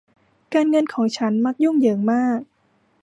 การเงินของฉันมันยุ่งเหยิงมาก